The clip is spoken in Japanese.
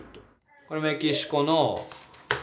これメキシコの。